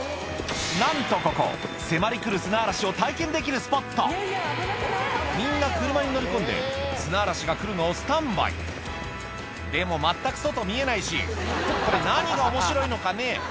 なんとここ迫り来るみんな車に乗り込んで砂嵐が来るのをスタンバイでも全く外見えないしこれ何が面白いのかね？